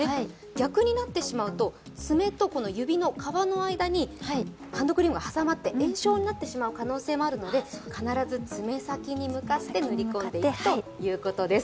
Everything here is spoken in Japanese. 逆になってしまうと、爪と指の皮の間にハンドクリームが挟まって炎症になってしまう可能性もあるので必ず爪先に向かって塗り込んでいくということです。